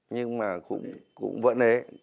nhưng mà cũng vẫn thế